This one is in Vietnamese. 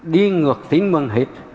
đi ngược tính bằng hết